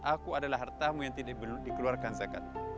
aku adalah hartamu yang tidak dikeluarkan zakat